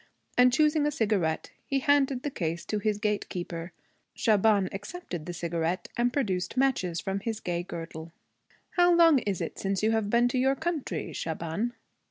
And, choosing a cigarette, he handed the case to his gatekeeper. Shaban accepted the cigarette and produced matches from his gay girdle. 'How long is it since you have been to your country, Shaban?'